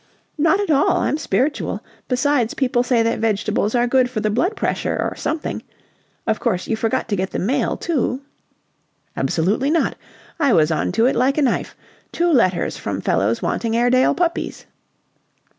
"Not at all. I'm spiritual. Besides, people say that vegetables are good for the blood pressure or something. Of course you forgot to get the mail, too?" "Absolutely not! I was on to it like a knife. Two letters from fellows wanting Airedale puppies."